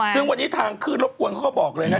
ซึ่งวันนี้ทางขึ้นรบกวนเขาก็บอกเลยนะ